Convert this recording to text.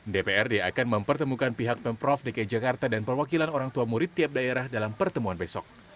dprd akan mempertemukan pihak pemprov dki jakarta dan perwakilan orang tua murid tiap daerah dalam pertemuan besok